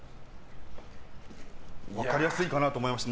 分かりやすいかなと思いまして。